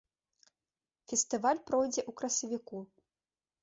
Фестываль пройдзе ў красавіку.